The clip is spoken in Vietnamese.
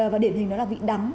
và điểm hình đó là vị đắng